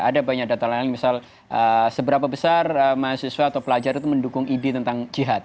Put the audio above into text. ada banyak data lain misal seberapa besar mahasiswa atau pelajar itu mendukung ide tentang jihad